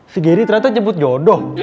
si gary ternyata jemput jodoh